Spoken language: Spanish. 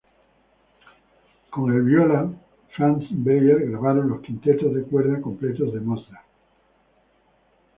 Con el viola Franz Beyer, grabaron los Quintetos de Cuerda completos de Mozart.